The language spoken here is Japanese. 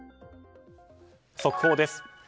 速報です。